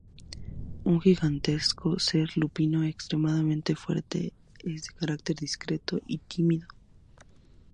Un gigantesco ser lupino extremadamente fuerte, es de carácter discreto, tímido y tranquilo.